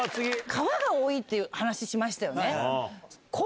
川が多いって話しましたよね。